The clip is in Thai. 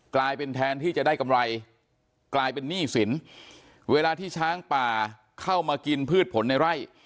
กลายเป็นแทนที่จะได้กำไรกลายเป็นหนี้สินเวลาที่ช้างป่าเข้ามากินพืชผลในไร่